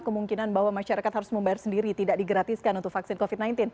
kemungkinan bahwa masyarakat harus membayar sendiri tidak digratiskan untuk vaksin covid sembilan belas